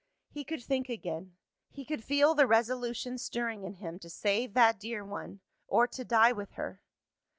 He could think again; he could feel the resolution stirring in him to save that dear one, or to die with her.